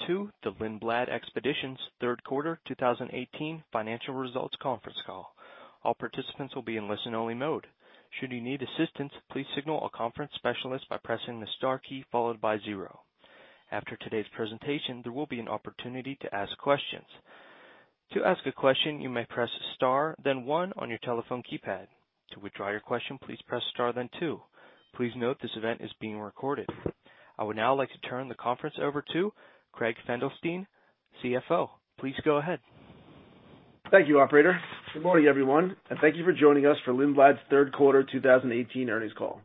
Welcome to the Lindblad Expeditions third quarter 2018 financial results conference call. All participants will be in listen-only mode. Should you need assistance, please signal a conference specialist by pressing the star key followed by zero. After today's presentation, there will be an opportunity to ask questions. To ask a question, you may press star then one on your telephone keypad. To withdraw your question, please press star then two. Please note this event is being recorded. I would now like to turn the conference over to Craig Felenstein, CFO. Please go ahead. Thank you, operator. Good morning, everyone, and thank you for joining us for Lindblad's third quarter 2018 earnings call.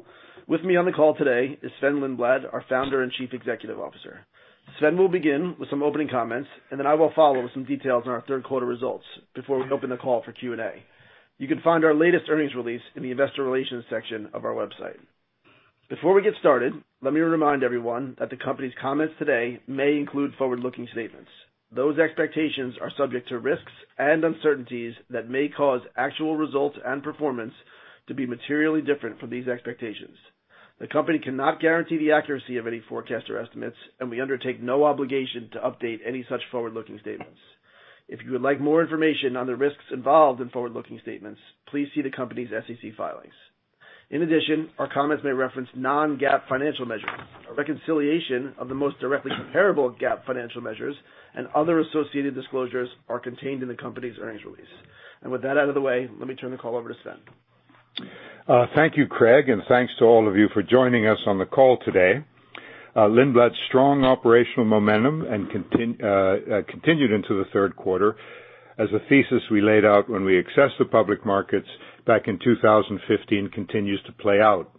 With me on the call today is Sven-Olof Lindblad, our Founder and Chief Executive Officer. Sven will begin with some opening comments. Then I will follow with some details on our third quarter results before we open the call for Q&A. You can find our latest earnings release in the investor relations section of our website. Before we get started, let me remind everyone that the company's comments today may include forward-looking statements. Those expectations are subject to risks and uncertainties that may cause actual results and performance to be materially different from these expectations. The company cannot guarantee the accuracy of any forecast or estimates, and we undertake no obligation to update any such forward-looking statements. If you would like more information on the risks involved in forward-looking statements, please see the company's SEC filings. In addition, our comments may reference non-GAAP financial measures. A reconciliation of the most directly comparable GAAP financial measures and other associated disclosures are contained in the company's earnings release. With that out of the way, let me turn the call over to Sven. Thank you, Craig, and thanks to all of you for joining us on the call today. Lindblad's strong operational momentum continued into the third quarter as a thesis we laid out when we accessed the public markets back in 2015 continues to play out.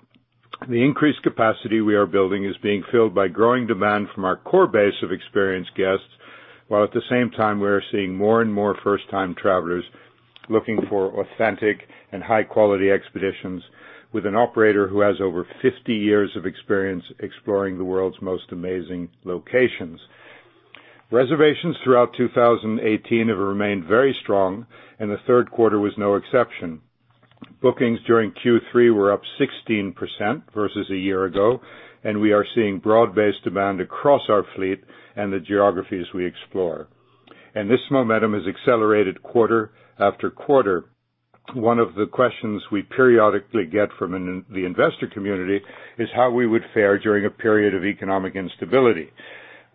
The increased capacity we are building is being filled by growing demand from our core base of experienced guests, while at the same time, we are seeing more and more first-time travelers looking for authentic and high-quality expeditions with an operator who has over 50 years of experience exploring the world's most amazing locations. Reservations throughout 2018 have remained very strong, and the third quarter was no exception. Bookings during Q3 were up 16% versus a year ago, and we are seeing broad-based demand across our fleet and the geographies we explore. This momentum has accelerated quarter after quarter. One of the questions we periodically get from the investor community is how we would fare during a period of economic instability.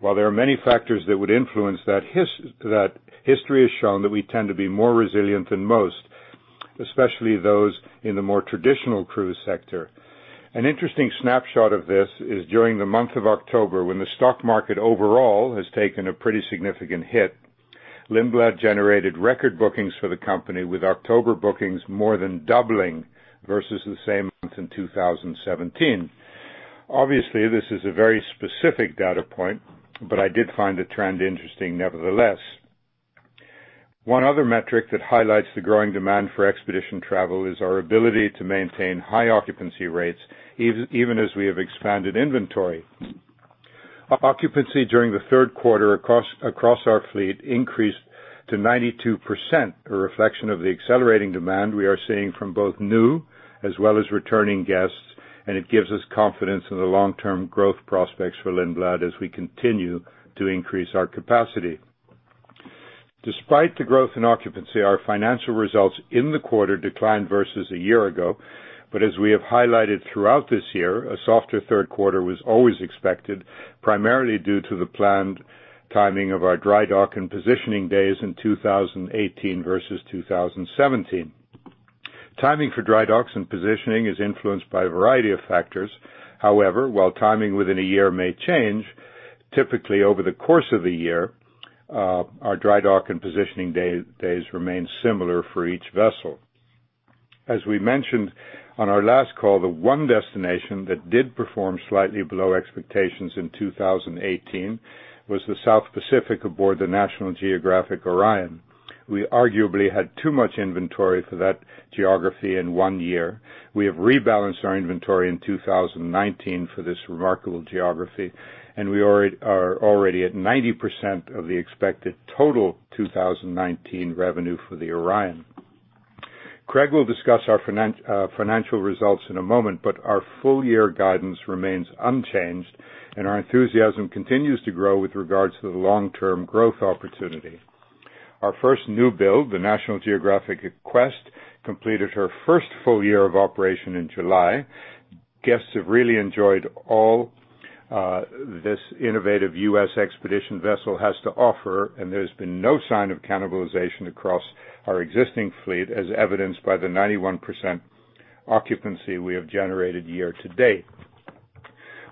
While there are many factors that would influence that, history has shown that we tend to be more resilient than most, especially those in the more traditional cruise sector. An interesting snapshot of this is during the month of October, when the stock market overall has taken a pretty significant hit. Lindblad generated record bookings for the company, with October bookings more than doubling versus the same month in 2017. Obviously, this is a very specific data point, but I did find the trend interesting nevertheless. One other metric that highlights the growing demand for expedition travel is our ability to maintain high occupancy rates, even as we have expanded inventory. Occupancy during the third quarter across our fleet increased to 92%, a reflection of the accelerating demand we are seeing from both new as well as returning guests, and it gives us confidence in the long-term growth prospects for Lindblad as we continue to increase our capacity. As we have highlighted throughout this year, a softer third quarter was always expected, primarily due to the planned timing of our dry dock and positioning days in 2018 versus 2017. Timing for dry docks and positioning is influenced by a variety of factors. However, while timing within a year may change, typically over the course of a year, our dry dock and positioning days remain similar for each vessel. As we mentioned on our last call, the one destination that did perform slightly below expectations in 2018 was the South Pacific aboard the National Geographic Orion. We arguably had too much inventory for that geography in one year. We have rebalanced our inventory in 2019 for this remarkable geography, and we are already at 90% of the expected total 2019 revenue for the Orion. Craig will discuss our financial results in a moment, but our full year guidance remains unchanged, and our enthusiasm continues to grow with regards to the long-term growth opportunity. Our first new build, the National Geographic Quest, completed her first full year of operation in July. Guests have really enjoyed all this innovative U.S. expedition vessel has to offer, and there's been no sign of cannibalization across our existing fleet, as evidenced by the 91% occupancy we have generated year to date.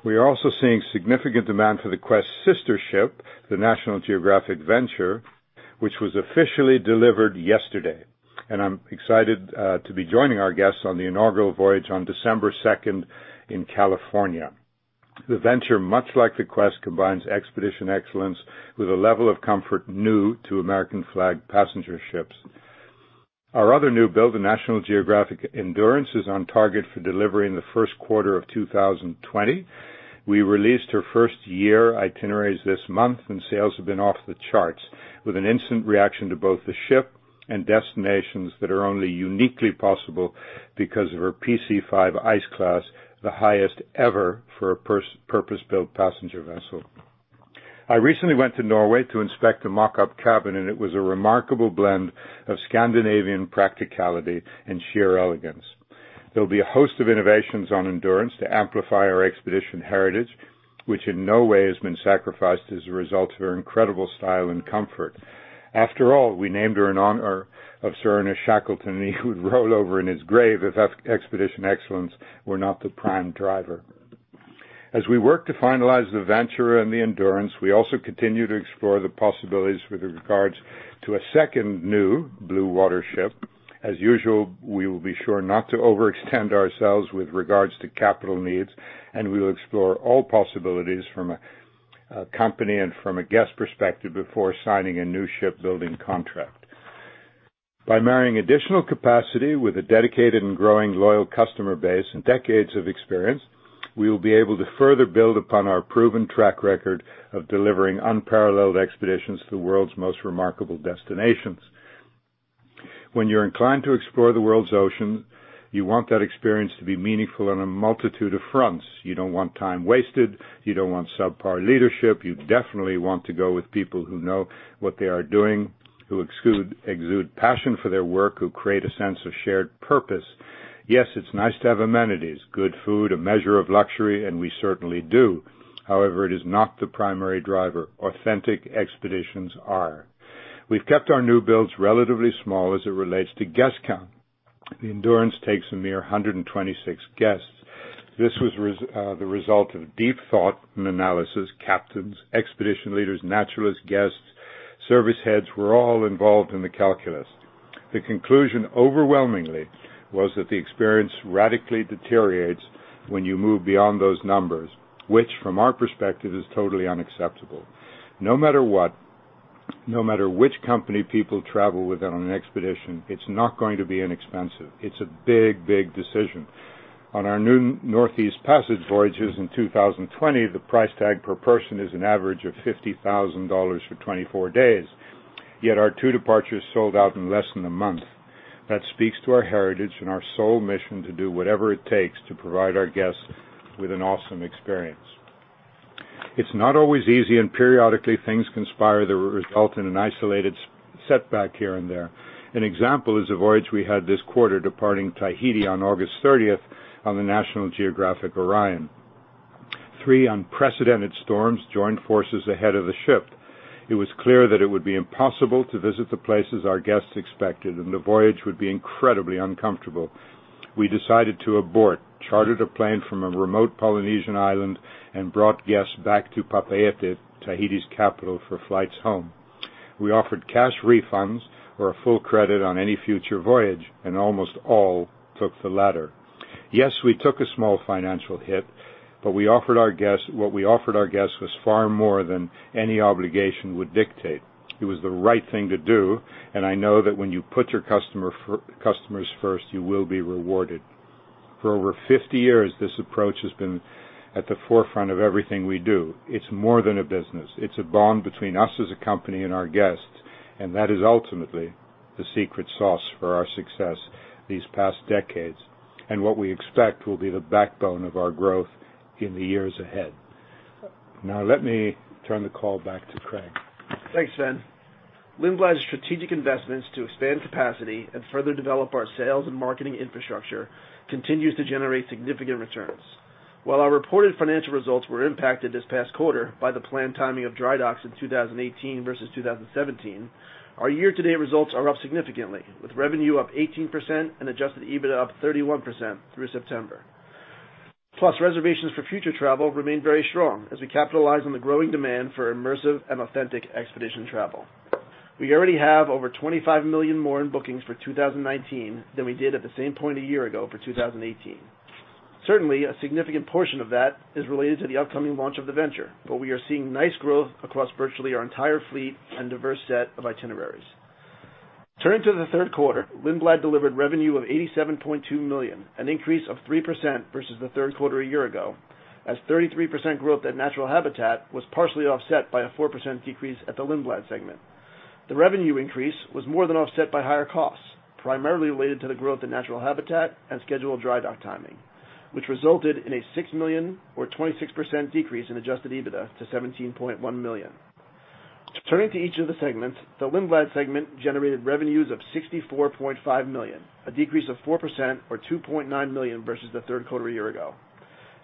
We are also seeing significant demand for the Quest's sister ship, the National Geographic Venture, which was officially delivered yesterday. I'm excited to be joining our guests on the inaugural voyage on December 2nd in California. The Venture, much like the Quest, combines expedition excellence with a level of comfort new to American flag passenger ships. Our other new build, the National Geographic Endurance, is on target for delivery in the first quarter of 2020. We released her first-year itineraries this month, and sales have been off the charts with an instant reaction to both the ship and destinations that are only uniquely possible because of her PC5 ice class, the highest ever for a purpose-built passenger vessel. I recently went to Norway to inspect a mock-up cabin, and it was a remarkable blend of Scandinavian practicality and sheer elegance. There'll be a host of innovations on Endurance to amplify our expedition heritage, which in no way has been sacrificed as a result of her incredible style and comfort. After all, we named her in honor of Sir Ernest Shackleton, he would roll over in his grave if expedition excellence were not the prime driver. As we work to finalize the Venture and the Endurance, we also continue to explore the possibilities with regards to a second new blue-water vessel. As usual, we will be sure not to overextend ourselves with regards to capital needs, we will explore all possibilities from a company and from a guest perspective before signing a new shipbuilding contract. By marrying additional capacity with a dedicated and growing loyal customer base and decades of experience, we will be able to further build upon our proven track record of delivering unparalleled expeditions to the world's most remarkable destinations. When you're inclined to explore the world's oceans, you want that experience to be meaningful on a multitude of fronts. You don't want time wasted. You don't want subpar leadership. You definitely want to go with people who know what they are doing, who exude passion for their work, who create a sense of shared purpose. Yes, it's nice to have amenities, good food, a measure of luxury, and we certainly do. However, it is not the primary driver. Authentic expeditions are. We've kept our new builds relatively small as it relates to guest count. The Endurance takes a mere 126 guests. This was the result of deep thought and analysis. Captains, expedition leaders, naturalists, guests, service heads were all involved in the calculus. The conclusion overwhelmingly was that the experience radically deteriorates when you move beyond those numbers, which, from our perspective, is totally unacceptable. No matter what, no matter which company people travel with on an expedition, it's not going to be inexpensive. It's a big decision. On our new Northeast Passage voyages in 2020, the price tag per person is an average of $50,000 for 24 days. Our two departures sold out in less than a month. That speaks to our heritage and our sole mission to do whatever it takes to provide our guests with an awesome experience. It's not always easy, periodically things conspire that result in an isolated setback here and there. An example is a voyage we had this quarter departing Tahiti on August 30th on the National Geographic Orion. Three unprecedented storms joined forces ahead of the ship. It was clear that it would be impossible to visit the places our guests expected, the voyage would be incredibly uncomfortable. We decided to abort, chartered a plane from a remote Polynesian island, brought guests back to Papeete, Tahiti's capital, for flights home. We offered cash refunds or a full credit on any future voyage, almost all took the latter. Yes, we took a small financial hit, what we offered our guests was far more than any obligation would dictate. It was the right thing to do, I know that when you put your customers first, you will be rewarded. For over 50 years, this approach has been at the forefront of everything we do. It's more than a business. It's a bond between us as a company and our guests, and that is ultimately the secret sauce for our success these past decades, and what we expect will be the backbone of our growth in the years ahead. Let me turn the call back to Craig. Thanks, Sven. Lindblad's strategic investments to expand capacity and further develop our sales and marketing infrastructure continues to generate significant returns. While our reported financial results were impacted this past quarter by the planned timing of dry docks in 2018 versus 2017, our year-to-date results are up significantly, with revenue up 18% and adjusted EBITDA up 31% through September. Plus, reservations for future travel remain very strong as we capitalize on the growing demand for immersive and authentic expedition travel. We already have over $25 million more in bookings for 2019 than we did at the same point a year ago for 2018. Certainly, a significant portion of that is related to the upcoming launch of the Venture, but we are seeing nice growth across virtually our entire fleet and diverse set of itineraries. Turning to the third quarter, Lindblad delivered revenue of $87.2 million, an increase of 3% versus the third quarter a year ago, as 33% growth at Natural Habitat was partially offset by a 4% decrease at the Lindblad segment. The revenue increase was more than offset by higher costs, primarily related to the growth in Natural Habitat and scheduled dry dock timing, which resulted in a $6 million or 26% decrease in adjusted EBITDA to $17.1 million. Turning to each of the segments, the Lindblad segment generated revenues of $64.5 million, a decrease of 4% or $2.9 million versus the third quarter a year ago.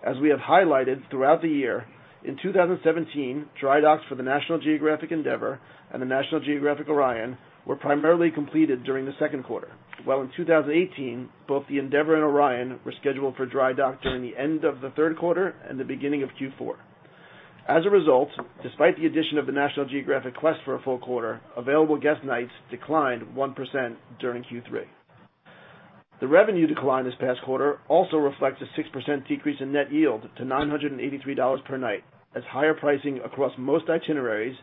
As we have highlighted throughout the year, in 2017, dry docks for the National Geographic Endeavour and the National Geographic Orion were primarily completed during the second quarter, while in 2018, both the Endeavour and Orion were scheduled for dry dock during the end of the third quarter and the beginning of Q4. As a result, despite the addition of the National Geographic Quest for a full quarter, available guest nights declined 1% during Q3. The revenue decline this past quarter also reflects a 6% decrease in net yield to $983 per night, as higher pricing across most itineraries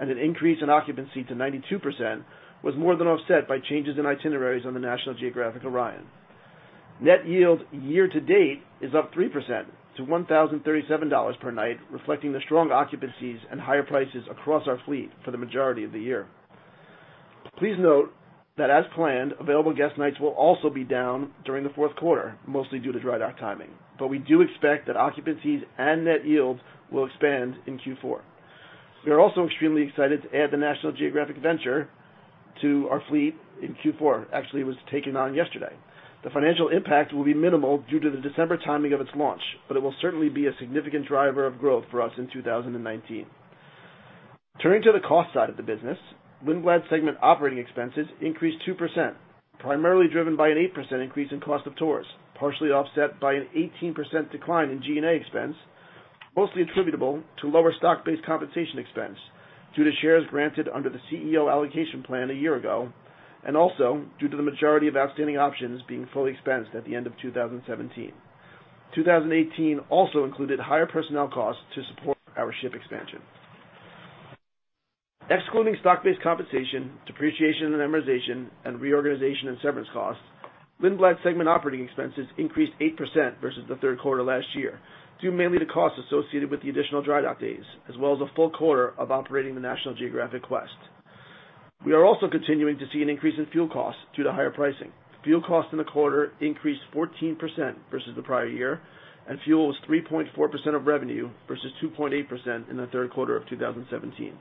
and an increase in occupancy to 92% was more than offset by changes in itineraries on the National Geographic Orion. Net yield year-to-date is up 3% to $1,037 per night, reflecting the strong occupancies and higher prices across our fleet for the majority of the year. Please note that as planned, available guest nights will also be down during the fourth quarter, mostly due to dry dock timing. We do expect that occupancies and net yields will expand in Q4. We are also extremely excited to add the National Geographic Venture to our fleet in Q4. Actually, it was taken on yesterday. The financial impact will be minimal due to the December timing of its launch, but it will certainly be a significant driver of growth for us in 2019. Turning to the cost side of the business, Lindblad segment operating expenses increased 2%, primarily driven by an 8% increase in cost of tours, partially offset by an 18% decline in G&A expense, mostly attributable to lower stock-based compensation expense due to shares granted under the CEO allocation plan a year ago, and also due to the majority of outstanding options being fully expensed at the end of 2017. 2018 also included higher personnel costs to support our ship expansion. Excluding stock-based compensation, depreciation and amortization, and reorganization and severance costs, Lindblad segment operating expenses increased 8% versus the third quarter last year, due mainly to costs associated with the additional dry dock days as well as a full quarter of operating the National Geographic Quest. We are also continuing to see an increase in fuel costs due to higher pricing. Fuel costs in the quarter increased 14% versus the prior year, and fuel was 3.4% of revenue versus 2.8% in the third quarter of 2017.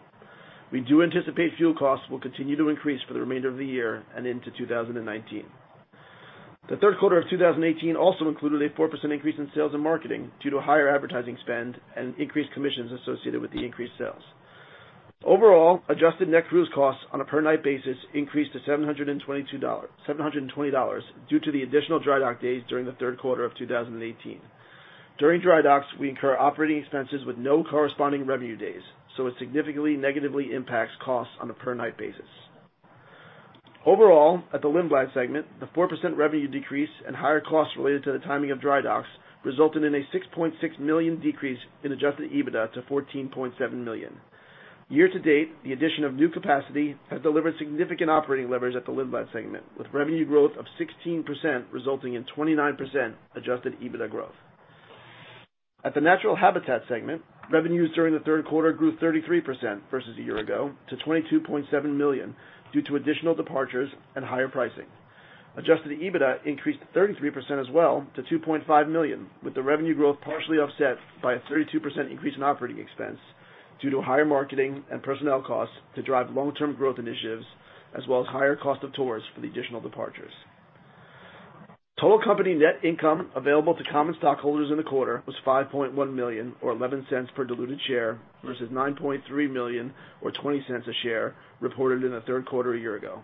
We do anticipate fuel costs will continue to increase for the remainder of the year and into 2019. The third quarter of 2018 also included a 4% increase in sales and marketing due to higher advertising spend and increased commissions associated with the increased sales. Overall, adjusted net cruise costs on a per-night basis increased to $720 due to the additional dry dock days during the third quarter of 2018. During dry docks, we incur operating expenses with no corresponding revenue days, so it significantly negatively impacts costs on a per-night basis. Overall, at the Lindblad segment, the 4% revenue decrease and higher costs related to the timing of dry docks resulted in a $6.6 million decrease in adjusted EBITDA to $14.7 million. Year to date, the addition of new capacity has delivered significant operating leverage at the Lindblad segment, with revenue growth of 16%, resulting in 29% adjusted EBITDA growth. At the Natural Habitat segment, revenues during the third quarter grew 33% versus a year ago to $22.7 million due to additional departures and higher pricing. Adjusted EBITDA increased 33% as well to $2.5 million, with the revenue growth partially offset by a 32% increase in operating expense due to higher marketing and personnel costs to drive long-term growth initiatives, as well as higher cost of tours for the additional departures. Total company net income available to common stockholders in the quarter was $5.1 million, or $0.11 per diluted share, versus $9.3 million or $0.20 a share reported in the third quarter a year ago,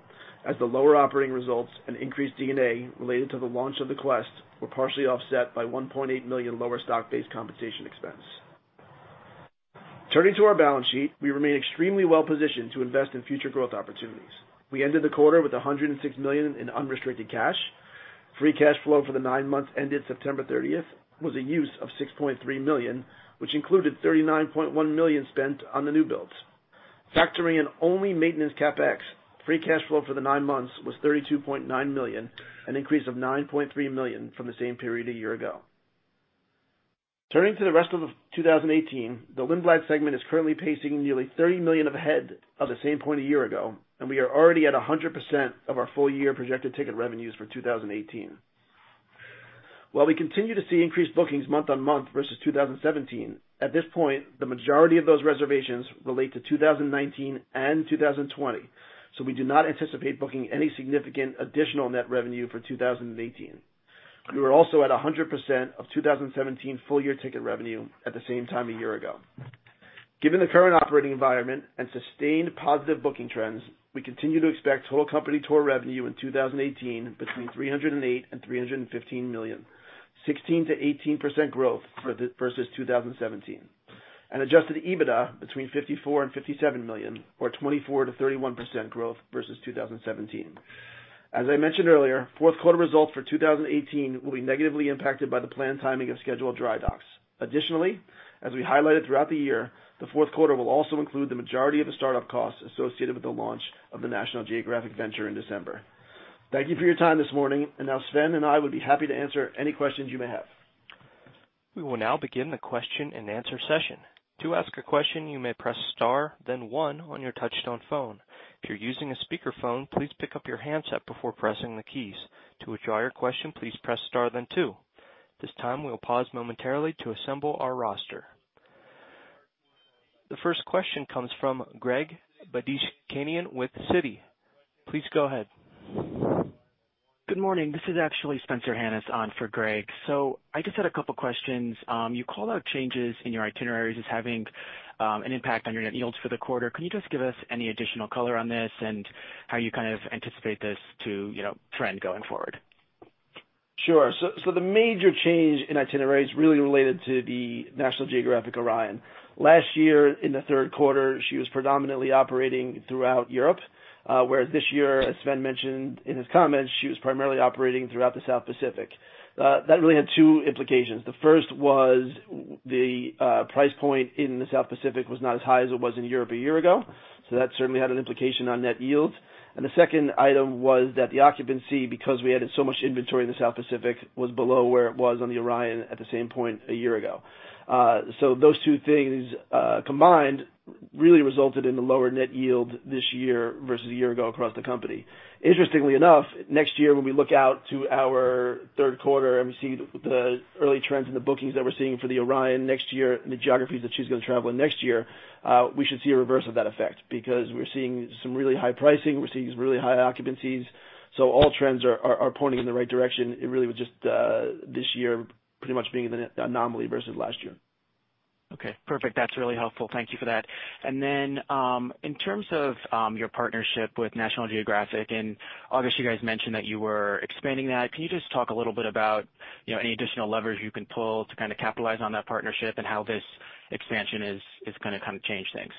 as the lower operating results and increased D&A related to the launch of the Quest were partially offset by $1.8 million lower stock-based compensation expense. Turning to our balance sheet, we remain extremely well-positioned to invest in future growth opportunities. We ended the quarter with $106 million in unrestricted cash. Free cash flow for the nine months ended September 30th was a use of $6.3 million, which included $39.1 million spent on the new builds. Factoring in only maintenance CapEx, free cash flow for the nine months was $32.9 million, an increase of $9.3 million from the same period a year ago. Turning to the rest of 2018, the Lindblad segment is currently pacing nearly $30 million ahead of the same point a year ago, we are already at 100% of our full-year projected ticket revenues for 2018. While we continue to see increased bookings month-on-month versus 2017, at this point, the majority of those reservations relate to 2019 and 2020, we do not anticipate booking any significant additional net revenue for 2018. We were also at 100% of 2017 full-year ticket revenue at the same time a year ago. Given the current operating environment and sustained positive booking trends, we continue to expect total company tour revenue in 2018 between $308 million-$315 million, 16%-18% growth versus 2017, and adjusted EBITDA between $54 million-$57 million, or 24%-31% growth versus 2017. As I mentioned earlier, fourth quarter results for 2018 will be negatively impacted by the planned timing of scheduled dry docks. Additionally, as we highlighted throughout the year, the fourth quarter will also include the majority of the startup costs associated with the launch of the National Geographic Venture in December. Thank you for your time this morning, now Sven and I would be happy to answer any questions you may have. We will now begin the question and answer session. To ask a question, you may press star then one on your touchtone phone. If you're using a speakerphone, please pick up your handset before pressing the keys. To withdraw your question, please press star then two. This time, we'll pause momentarily to assemble our roster. The first question comes from Greg Badishkanian with Citi. Please go ahead. Good morning. This is actually Spencer Hanus on for Greg. I just had a couple questions. You called out changes in your itineraries as having an impact on your net yields for the quarter. Can you just give us any additional color on this and how you kind of anticipate this to trend going forward? Sure. The major change in itineraries really related to the National Geographic Orion. Last year in the third quarter, she was predominantly operating throughout Europe, whereas this year, as Sven mentioned in his comments, she was primarily operating throughout the South Pacific. That really had two implications. The first was the price point in the South Pacific was not as high as it was in Europe a year ago, so that certainly had an implication on net yields. The second item was that the occupancy, because we added so much inventory in the South Pacific, was below where it was on the Orion at the same point a year ago. Those two things combined really resulted in the lower net yield this year versus a year ago across the company. Interestingly enough, next year when we look out to our third quarter and we see the early trends in the bookings that we're seeing for the Orion next year and the geographies that she's going to travel in next year, we should see a reverse of that effect because we're seeing some really high pricing. We're seeing really high occupancies. All trends are pointing in the right direction. It really was just this year pretty much being an anomaly versus last year. Okay, perfect. That's really helpful. Thank you for that. In terms of your partnership with National Geographic, and obviously you guys mentioned that you were expanding that, can you just talk a little bit about any additional leverage you can pull to capitalize on that partnership and how this expansion is going to change things?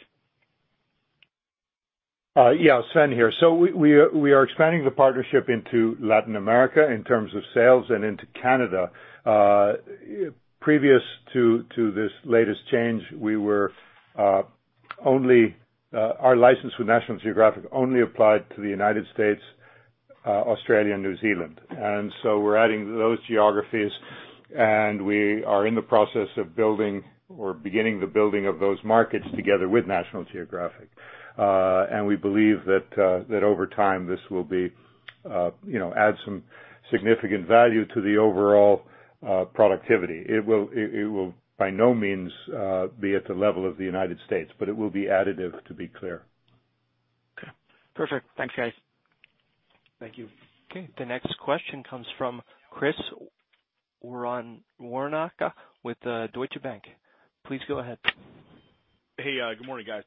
Yeah. Sven here. We are expanding the partnership into Latin America in terms of sales and into Canada. Previous to this latest change, our license with National Geographic only applied to the United States, Australia, and New Zealand. We're adding those geographies, and we are in the process of building or beginning the building of those markets together with National Geographic. We believe that over time, this will add some significant value to the overall productivity. It will, by no means, be at the level of the United States, but it will be additive, to be clear. Okay, perfect. Thanks, guys. Thank you. Okay. The next question comes from Chris Woronka with Deutsche Bank. Please go ahead. Hey, good morning, guys.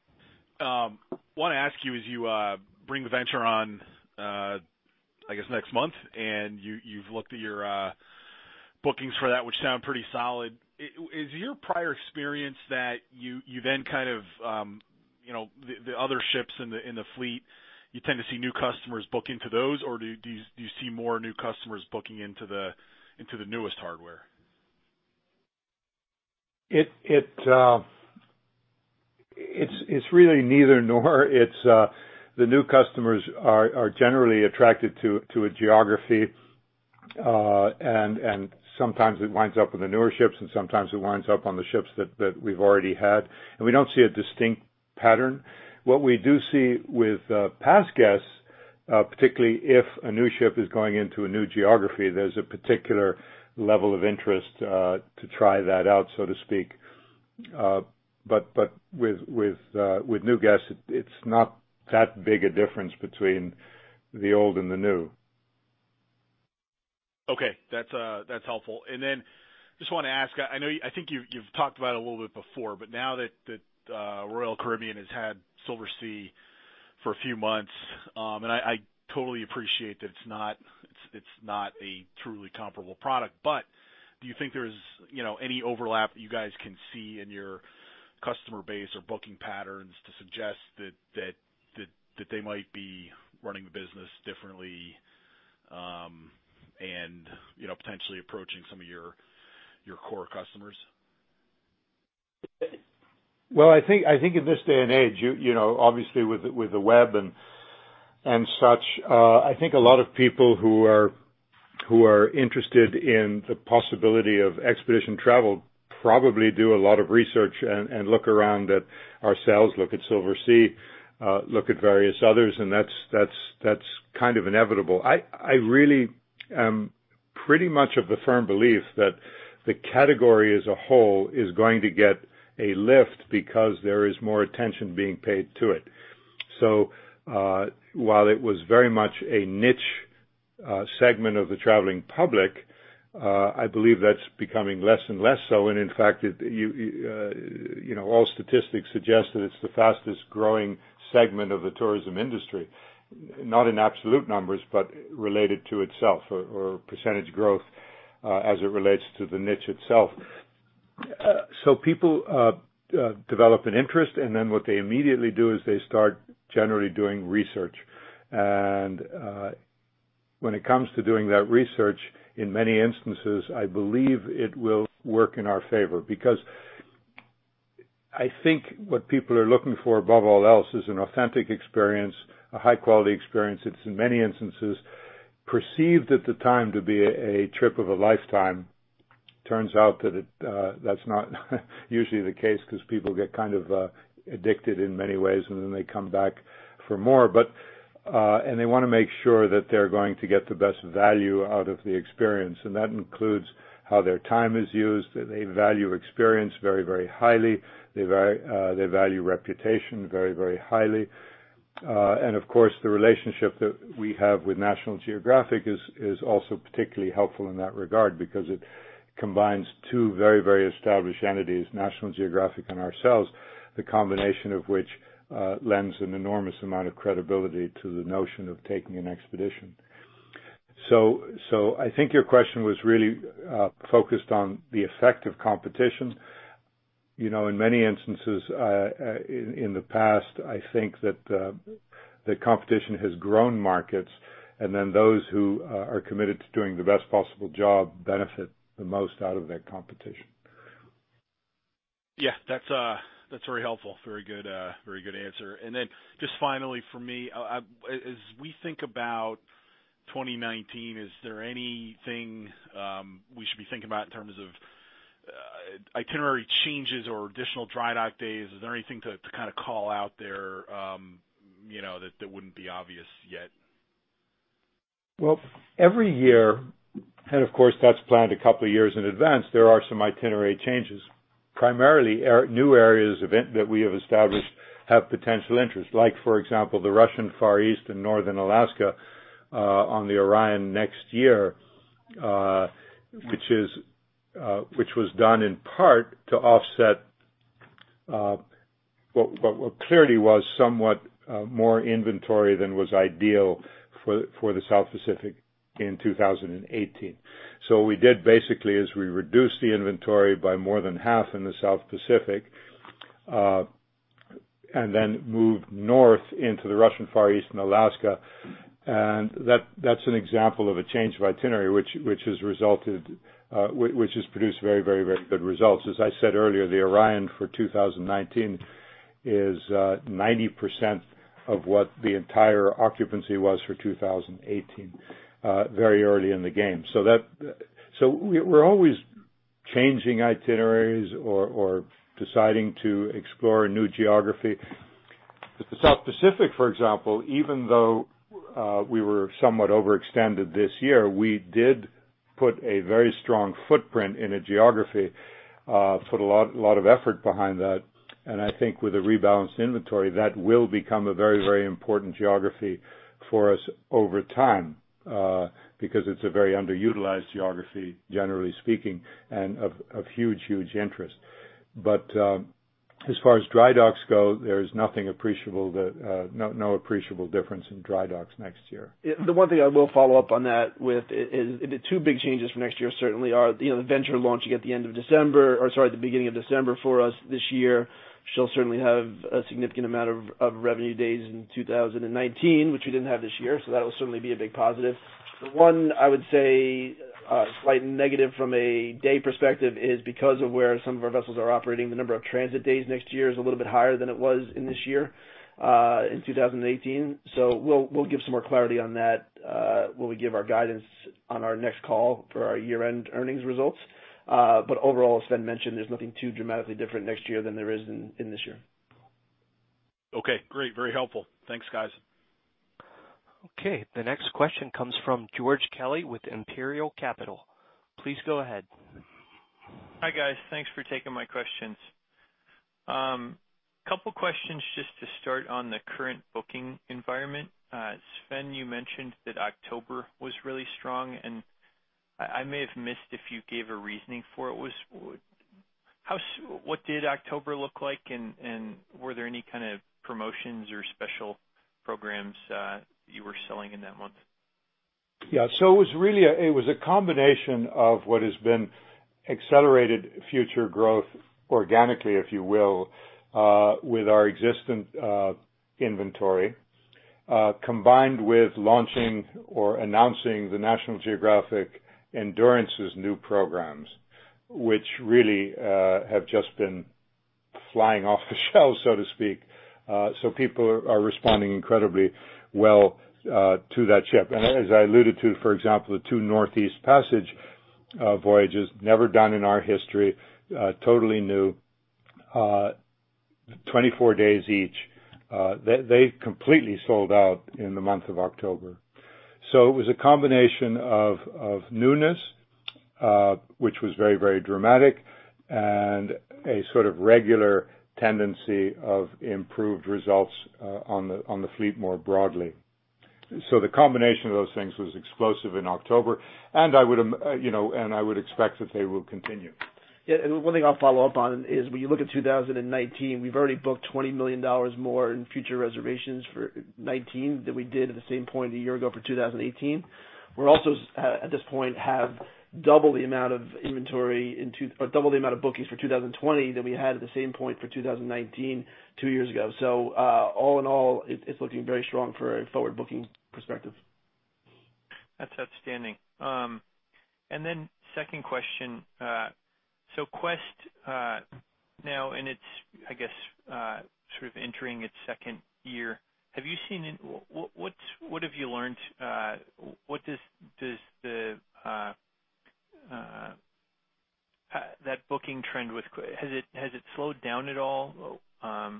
Want to ask you, as you bring Venture on, I guess, next month, you've looked at your bookings for that, which sound pretty solid. Is your prior experience that you then kind of, the other ships in the fleet, you tend to see new customers book into those, or do you see more new customers booking into the newest hardware? It's really neither nor. The new customers are generally attracted to a geography, sometimes it winds up on the newer ships, and sometimes it winds up on the ships that we've already had. We don't see a distinct pattern. What we do see with past guests, particularly if a new ship is going into a new geography, there's a particular level of interest to try that out, so to speak. With new guests, it's not that big a difference between the old and the new. Okay. That's helpful. Then just want to ask, I think you've talked about it a little bit before, now that Royal Caribbean has had Silversea for a few months, I totally appreciate that it's not a truly comparable product, do you think there's any overlap that you guys can see in your customer base or booking patterns to suggest that they might be running the business differently, and potentially approaching some of your core customers? Well, I think in this day and age, obviously, with the web and such, I think a lot of people who are interested in the possibility of expedition travel probably do a lot of research and look around at ourselves, look at Silversea, look at various others, and that's kind of inevitable. I really am pretty much of the firm belief that the category as a whole is going to get a lift because there is more attention being paid to it. While it was very much a niche segment of the traveling public, I believe that's becoming less and less so. In fact, all statistics suggest that it's the fastest-growing segment of the tourism industry, not in absolute numbers, but related to itself or percentage growth as it relates to the niche itself. People develop an interest, and then what they immediately do is they start generally doing research. When it comes to doing that research, in many instances, I believe it will work in our favor because I think what people are looking for above all else is an authentic experience, a high-quality experience that's, in many instances, perceived at the time to be a trip of a lifetime. Turns out that's not usually the case because people get kind of addicted in many ways, and then they come back for more. They want to make sure that they're going to get the best value out of the experience. That includes how their time is used. They value experience very highly. They value reputation very highly. Of course, the relationship that we have with National Geographic is also particularly helpful in that regard because it combines two very established entities, National Geographic and ourselves, the combination of which lends an enormous amount of credibility to the notion of taking an expedition. I think your question was really focused on the effect of competition. In many instances, in the past, I think that the competition has grown markets, and then those who are committed to doing the best possible job benefit the most out of that competition. Yeah. That's very helpful. Very good answer. Just finally for me, as we think about 2019, is there anything we should be thinking about in terms of itinerary changes or additional dry dock days? Is there anything to call out there that wouldn't be obvious yet? Well, every year, and of course, that's planned a couple of years in advance, there are some itinerary changes. Primarily, new areas that we have established have potential interest. Like, for example, the Russian Far East and Northern Alaska on the National Geographic Orion next year, which was done in part to offset what clearly was somewhat more inventory than was ideal for the South Pacific in 2018. What we did basically, is we reduced the inventory by more than half in the South Pacific, and then moved north into the Russian Far East and Alaska. That's an example of a change of itinerary, which has produced very good results. As I said earlier, the National Geographic Orion for 2019 is 90% of what the entire occupancy was for 2018, very early in the game. We're always changing itineraries or deciding to explore a new geography. With the South Pacific, for example, even though we were somewhat overextended this year, we did put a very strong footprint in a geography, put a lot of effort behind that, and I think with a rebalanced inventory, that will become a very important geography for us over time, because it's a very underutilized geography, generally speaking, and of huge interest. As far as dry docks go, there is no appreciable difference in dry docks next year. The one thing I will follow up on that with is the two big changes for next year certainly are the National Geographic Venture launching at the beginning of December for us this year. She'll certainly have a significant amount of revenue days in 2019, which we didn't have this year. The one, I would say, slight negative from a day perspective is because of where some of our vessels are operating, the number of transit days next year is a little bit higher than it was in this year, in 2018. We'll give some more clarity on that when we give our guidance on our next call for our year-end earnings results. Overall, as Sven mentioned, there's nothing too dramatically different next year than there is in this year. Okay, great. Very helpful. Thanks, guys. The next question comes from George Kelly with Imperial Capital. Please go ahead. Hi, guys. Thanks for taking my questions. Couple questions just to start on the current booking environment. Sven, you mentioned that October was really strong. I may have missed if you gave a reasoning for it. What did October look like, and were there any kind of promotions or special programs you were selling in that month? It was a combination of what has been accelerated future growth organically, if you will, with our existing inventory, combined with launching or announcing the National Geographic Endurance's new programs, which really have just been flying off the shelves, so to speak. People are responding incredibly well to that ship. As I alluded to, for example, the two Northeast Passage voyages, never done in our history, totally new, 24 days each. They completely sold out in the month of October. It was a combination of newness, which was very dramatic, and a sort of regular tendency of improved results on the fleet more broadly. The combination of those things was explosive in October, and I would expect that they will continue. One thing I'll follow up on is when you look at 2019, we've already booked $20 million more in future reservations for 2019 than we did at the same point a year ago for 2018. We also, at this point, have double the amount of bookings for 2020 than we had at the same point for 2019 two years ago. All in all, it's looking very strong for a forward-booking perspective. That's outstanding. Second question. Quest now, I guess sort of entering its second year. What have you learned? That booking trend, has it slowed down at all? How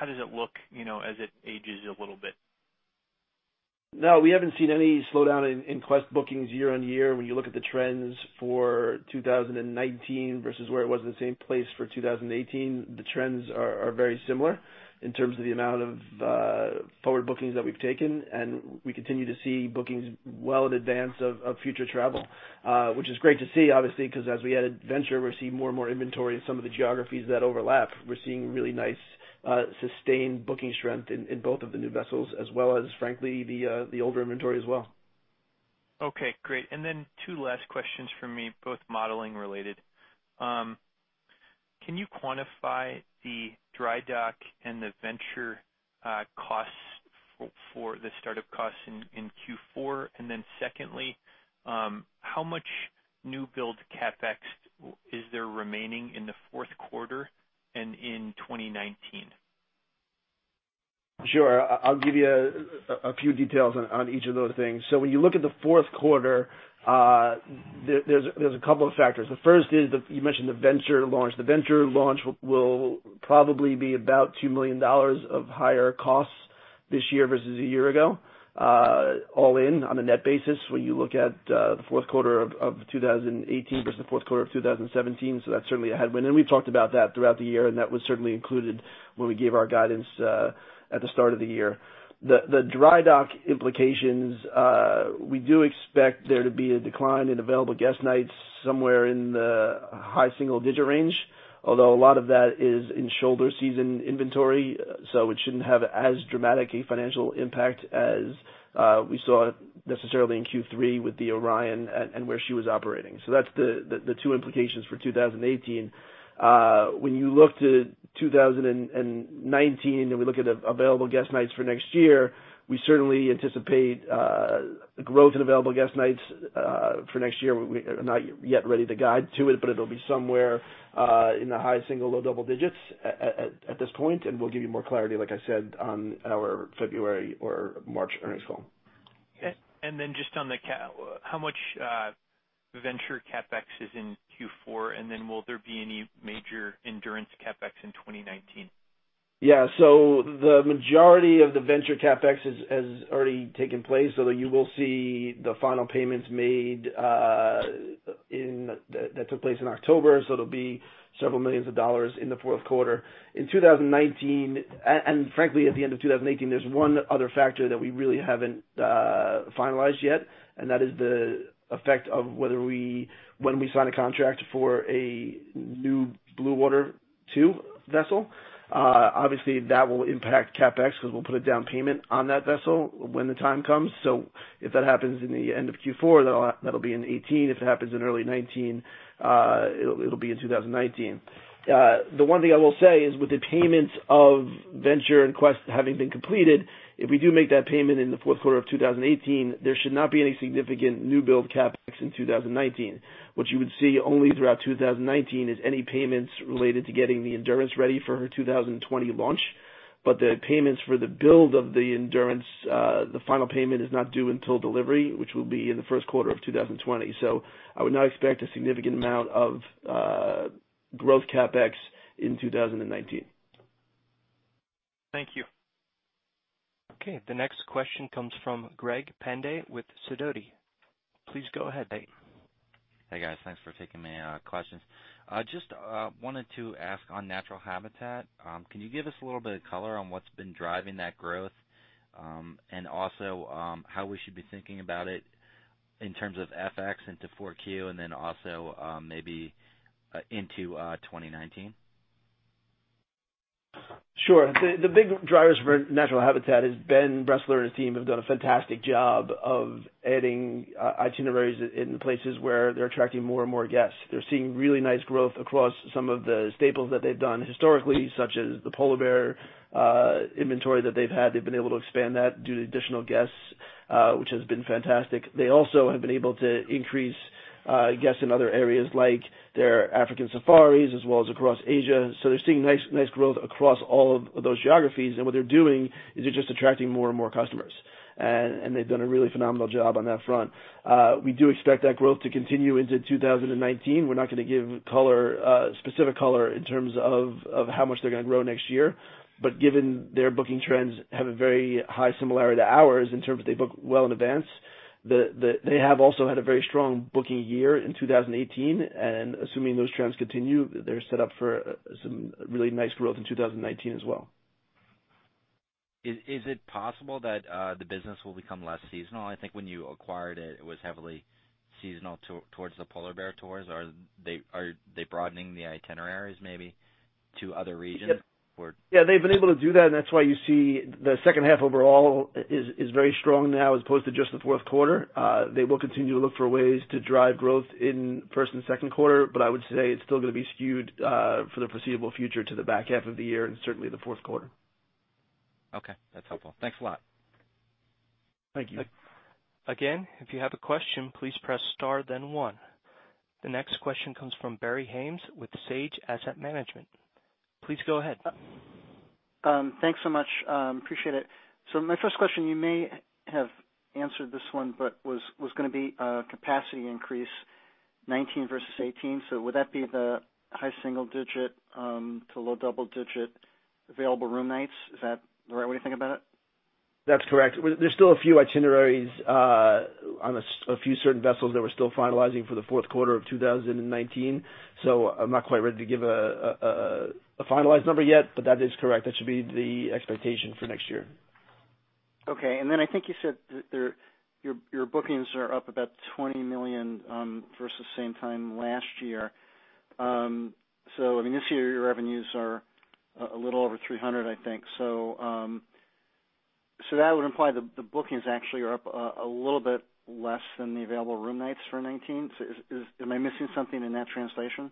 does it look as it ages a little bit? No, we haven't seen any slowdown in Quest bookings year-on-year. When you look at the trends for 2019 versus where it was at the same place for 2018, the trends are very similar in terms of the amount of forward bookings that we've taken. We continue to see bookings well in advance of future travel. Which is great to see, obviously, because as we add Venture, we're seeing more and more inventory in some of the geographies that overlap. We're seeing really nice, sustained booking strength in both of the new vessels as well as, frankly, the older inventory as well. Okay, great. Two last questions from me, both modeling related. Can you quantify the dry dock and the Venture costs for the startup costs in Q4? Secondly, how much new build CapEx is there remaining in the fourth quarter and in 2019? Sure. I'll give you a few details on each of those things. When you look at the fourth quarter, there's a couple of factors. The first is, you mentioned the Venture launch. The Venture launch will probably be about $2 million of higher costs this year versus a year ago, all in on a net basis when you look at the fourth quarter of 2018 versus the fourth quarter of 2017. That's certainly a headwind. We've talked about that throughout the year, and that was certainly included when we gave our guidance at the start of the year. The dry dock implications, we do expect there to be a decline in available guest nights somewhere in the high single-digit range, although a lot of that is in shoulder season inventory, so it shouldn't have as dramatic a financial impact as we saw necessarily in Q3 with the Orion and where she was operating. That's the two implications for 2018. When you look to 2019, we look at available guest nights for next year, we certainly anticipate growth in available guest nights for next year. We're not yet ready to guide to it, but it'll be somewhere in the high single, low double digits at this point, and we'll give you more clarity, like I said, on our February or March earnings call. Just on the CapEx, how much Venture CapEx is in Q4, will there be any major Endurance CapEx in 2019? The majority of the Venture CapEx has already taken place, although you will see the final payments made that took place in October, so it'll be several millions of dollars in the fourth quarter. In 2019, frankly, at the end of 2018, there's one other factor that we really haven't finalized yet, that is the effect of when we sign a contract for a new blue-water vessel two. Obviously, that will impact CapEx because we'll put a down payment on that vessel when the time comes. If that happens in the end of Q4, that'll be in 2018. If it happens in early 2019, it'll be in 2019. The one thing I will say is with the payments of Venture and Quest having been completed, if we do make that payment in the fourth quarter of 2018, there should not be any significant new build CapEx in 2019. What you would see only throughout 2019 is any payments related to getting the Endurance ready for her 2020 launch, but the payments for the build of the Endurance, the final payment is not due until delivery, which will be in the first quarter of 2020. I would not expect a significant amount of growth CapEx in 2019. Thank you. Okay, the next question comes from Greg Pendy with Sidoti. Please go ahead. Hey, guys. Thanks for taking my questions. Just wanted to ask on Natural Habitat, can you give us a little bit of color on what's been driving that growth? And also, how we should be thinking about it in terms of FX into 4Q and then also, maybe into 2019. Sure. The big drivers for Natural Habitat is Ben Bressler and his team have done a fantastic job of adding itineraries in places where they're attracting more and more guests. They're seeing really nice growth across some of the staples that they've done historically, such as the polar bear inventory that they've had. They've been able to expand that due to additional guests, which has been fantastic. They also have been able to increase guests in other areas like their African safaris as well as across Asia. They're seeing nice growth across all of those geographies, and what they're doing is they're just attracting more and more customers, and they've done a really phenomenal job on that front. We do expect that growth to continue into 2019. We're not going to give specific color in terms of how much they're going to grow next year, but given their booking trends have a very high similarity to ours in terms of they book well in advance. They have also had a very strong booking year in 2018, and assuming those trends continue, they're set up for some really nice growth in 2019 as well. Is it possible that the business will become less seasonal? I think when you acquired it was heavily seasonal towards the polar bear tours. Are they broadening the itineraries maybe to other regions? Yeah, they've been able to do that, and that's why you see the second half overall is very strong now as opposed to just the fourth quarter. They will continue to look for ways to drive growth in first and second quarter, but I would say it's still going to be skewed for the foreseeable future to the back half of the year and certainly the fourth quarter. Okay, that's helpful. Thanks a lot. Thank you. If you have a question, please press star then one. The next question comes from Barry Haimes with Sage Asset Management. Please go ahead. Thanks so much. Appreciate it. My first question, you may have answered this one, was going to be capacity increase 2019 versus 2018. Would that be the high single-digit to low double-digit available room nights? Is that the right way to think about it? That's correct. There's still a few itineraries on a few certain vessels that we're still finalizing for the fourth quarter of 2019. I'm not quite ready to give a finalized number yet, that is correct. That should be the expectation for next year. Okay. I think you said your bookings are up about $20 million versus same time last year. So I mean, this year your revenues are a little over $300, I think. That would imply the bookings actually are up a little bit less than the available room nights for 2019. Am I missing something in that translation?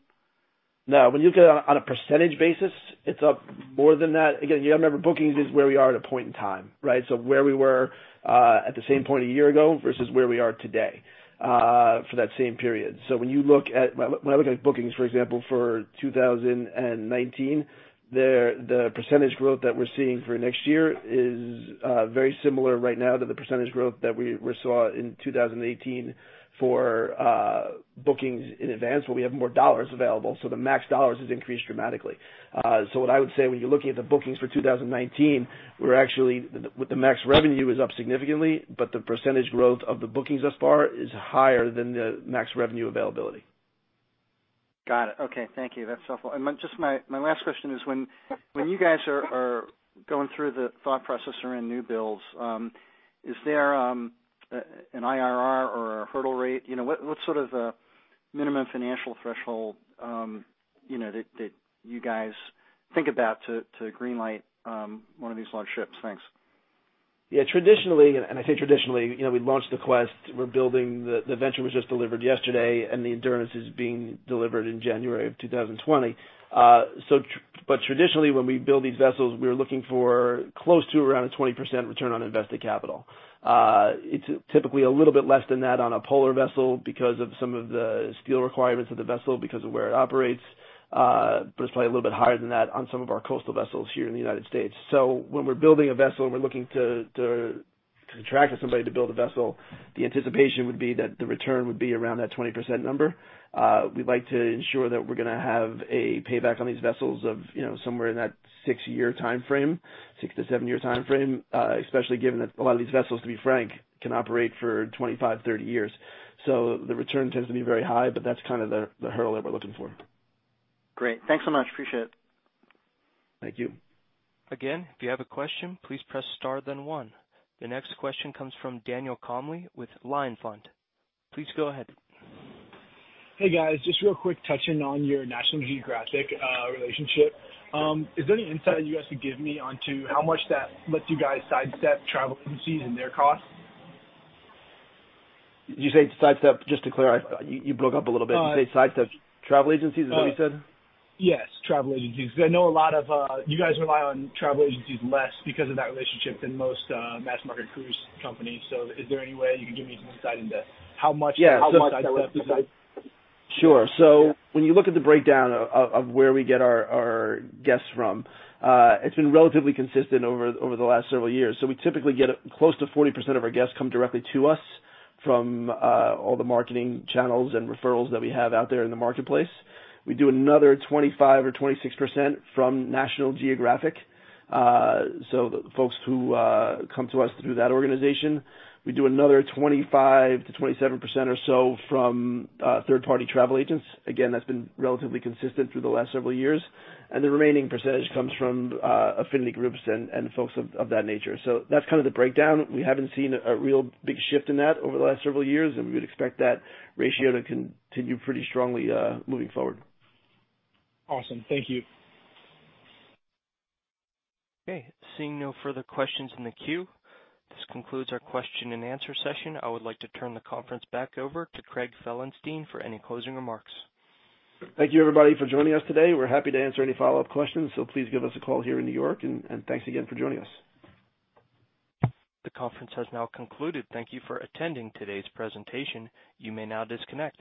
No, when you look at it on a percentage basis, it's up more than that. Again, you got to remember, bookings is where we are at a point in time, right? Where we were at the same point a year ago versus where we are today for that same period. When I look at bookings, for example, for 2019, the percentage growth that we're seeing for next year is very similar right now to the percentage growth that we saw in 2018 for bookings in advance. We have more dollars available, so the max dollars has increased dramatically. What I would say when you're looking at the bookings for 2019, we're actually, with the max revenue, is up significantly, but the percentage growth of the bookings thus far is higher than the max revenue availability. Got it. Okay. Thank you. That's helpful. Just my last question is, when you guys are going through the thought process around new builds, is there an IRR or a hurdle rate? What sort of minimum financial threshold that you guys think about to green-light one of these large ships? Thanks. Yeah, traditionally, I say traditionally, we launched the Quest, we're building the Venture was just delivered yesterday, the Endurance is being delivered in January of 2020. Traditionally, when we build these vessels, we're looking for close to around a 20% return on invested capital. It's typically a little bit less than that on a polar vessel because of some of the steel requirements of the vessel because of where it operates. It's probably a little bit higher than that on some of our coastal vessels here in the United States. When we're building a vessel and we're looking to contract with somebody to build a vessel, the anticipation would be that the return would be around that 20% number. We'd like to ensure that we're going to have a payback on these vessels of somewhere in that 6-year timeframe, 6-7 year timeframe, especially given that a lot of these vessels, to be frank, can operate for 25, 30 years. The return tends to be very high, but that's kind of the hurdle that we're looking for. Great. Thanks so much. Appreciate it. Thank you. Again, if you have a question, please press star then one. The next question comes from Daniel Conley with Lion Fund. Please go ahead. Hey, guys, just real quick, touching on your National Geographic relationship, is there any insight you guys could give me onto how much that lets you guys sidestep travel agencies and their costs? You say sidestep? Just to clarify, you broke up a little bit. You say sidestep travel agencies, is that what you said? Yes, travel agencies. I know a lot of you guys rely on travel agencies less because of that relationship than most mass market cruise companies. Is there any way you can give me some insight into how much- Yeah. How much sidestep is that? Sure. When you look at the breakdown of where we get our guests from, it's been relatively consistent over the last several years. We typically get close to 40% of our guests come directly to us from all the marketing channels and referrals that we have out there in the marketplace. We do another 25% or 26% from National Geographic, the folks who come to us through that organization. We do another 25% to 27% or so from third-party travel agents. Again, that's been relatively consistent through the last several years. The remaining percentage comes from affinity groups and folks of that nature. That's kind of the breakdown. We haven't seen a real big shift in that over the last several years, and we would expect that ratio to continue pretty strongly moving forward. Awesome. Thank you. Seeing no further questions in the queue, this concludes our question and answer session. I would like to turn the conference back over to Craig Felenstein for any closing remarks. Thank you everybody for joining us today. We're happy to answer any follow-up questions, so please give us a call here in New York, and thanks again for joining us. The conference has now concluded. Thank you for attending today's presentation. You may now disconnect.